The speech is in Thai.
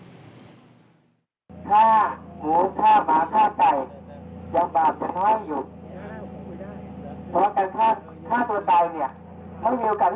ต้องไปทุกธรรมบาหิตนามแบบนานลง